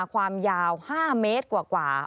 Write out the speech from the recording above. ความยาว๕เมตรกว่า